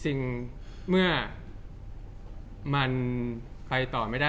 จริงเมื่อมันไปต่อไม่ได้